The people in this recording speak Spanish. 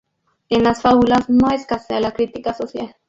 En las fábulas no escasea la crítica social.